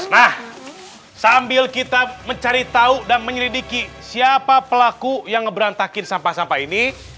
nah sambil kita mencari tahu dan menyelidiki siapa pelaku yang ngebeantakin sampah sampah ini